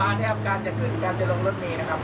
ประมาณนี้ครับการจัดขึ้นการจัดลงรถเมียนะครับ